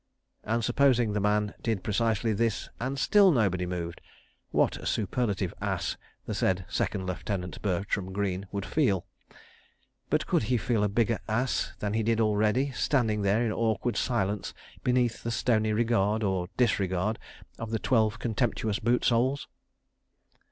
And supposing the man did precisely this and still nobody moved, what a superlative ass the said Second Lieutenant Bertram Greene would feel! ... But could he feel a bigger ass than he did already—standing there in awkward silence beneath the stony regard, or disregard, of the twelve contemptuous boot soles?